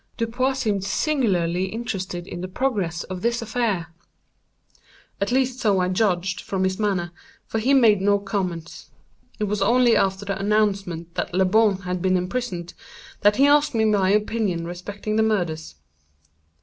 Dupin seemed singularly interested in the progress of this affair—at least so I judged from his manner, for he made no comments. It was only after the announcement that Le Bon had been imprisoned, that he asked me my opinion respecting the murders.